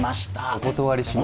お断りします